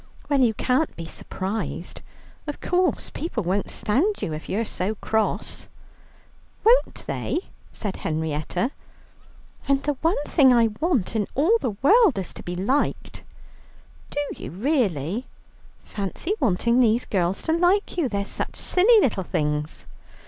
"Well, you can't be surprised; of course people won't stand you, if you're so cross." "Won't they?" said Henrietta. "And the one thing I want in the world is to be liked." "Do you really? Fancy wanting these girls to like you; they're such silly little things."